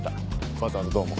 わざわざどうも。